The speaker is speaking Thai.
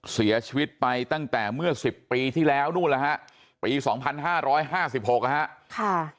เสียชีวิตไปตั้งแต่เมื่อ๑๐ปีที่แล้วปี๒๕๕๖นะครับ